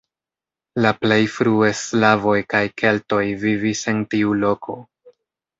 La plej frue slavoj kaj keltoj vivis en tiu loko.